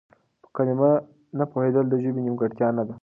په کلمه نه پوهېدل د ژبې نيمګړتيا نه ده.